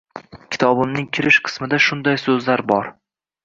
Kitobimning kirish qismida shunday so`zlar bor